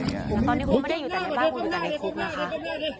แต่ตอนนี้คงไม่ได้อยู่แต่ในบ้านคุณรู้จักในคุกนะคะ